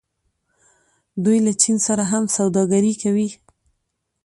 دوی له چین سره هم سوداګري کوي.